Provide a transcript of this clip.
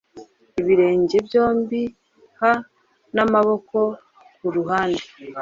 ibirenge byombi hai namaboko kuruhande